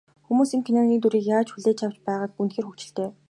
Хүмүүс энэ киноны дүрийг яаж хүлээж авч байгаа нь үнэхээр хөгжилтэй.